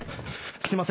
すいません。